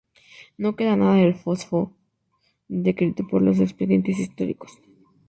No queda nada del foso descrito por los expedientes históricos.